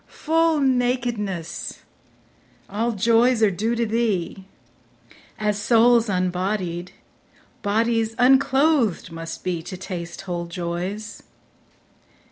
Full nakedness ! All joys are due to thee ; As souls unbodied, bodies unclothed must be To taste whole joys.